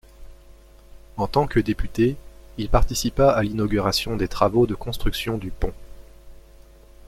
En tant que député, il participa à l'inauguration des travaux de construction du pont.